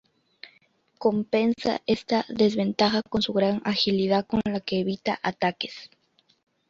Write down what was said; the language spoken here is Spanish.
Compensan esta desventaja con su gran agilidad con la que evitan ataques.